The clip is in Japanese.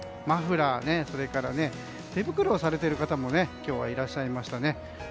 マフラー、それから手袋をされている方も今日はいらっしゃいましたね。